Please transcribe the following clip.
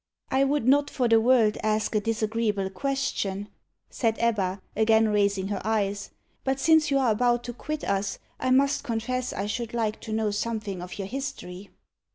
"I would not for the world ask a disagreeable question," said Ebba, again raising her eyes, "but since you are about to quit us, I must confess I should like to know something of your history."